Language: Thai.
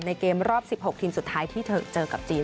เกมรอบ๑๖ทีมสุดท้ายที่เธอเจอกับจีน